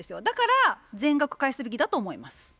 だから全額返すべきだと思います。